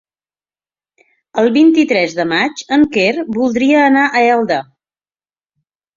El vint-i-tres de maig en Quer voldria anar a Elda.